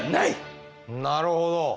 なるほど。